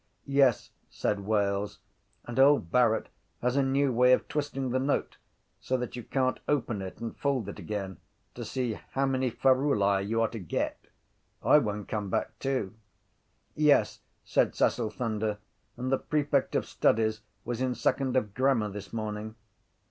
—Yes, said Wells. And old Barrett has a new way of twisting the note so that you can’t open it and fold it again to see how many ferulæ you are to get. I won’t come back too. —Yes, said Cecil Thunder, and the prefect of studies was in second of grammar this morning.